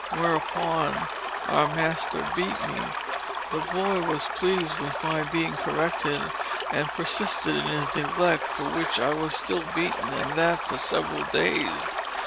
Whereupon our master beat me.... The boy was pleased with my being corrected and persisted in his neglect for which I was still beaten and that for several days.